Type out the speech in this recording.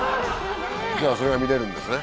それが見れるんですね